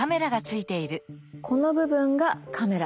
この部分がカメラ。